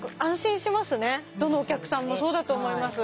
どのお客さんもそうだと思います。